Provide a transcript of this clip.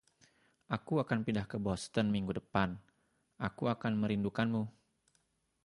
"Aku akan pindah ke Boston minggu depan." "Aku akan merindukanmu."